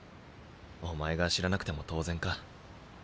お前が知らなくても当然か。